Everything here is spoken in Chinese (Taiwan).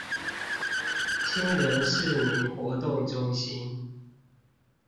興仁市民活動中心